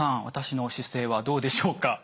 私の姿勢はどうでしょうか？